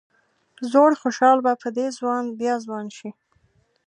زوړ خوشال به په دې ځوان بیا ځوان شي.